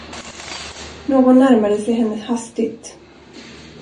Någon närmade sig henne hastigt.